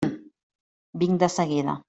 Vinc de seguida.